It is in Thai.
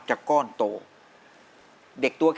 รักคุณเสียยิ่งกว่าใคร